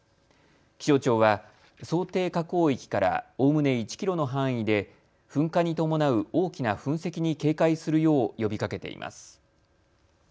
気象庁は想定火口域からおおむね１キロの範囲で噴火に伴う大きな噴石に警戒するよう呼びかけています。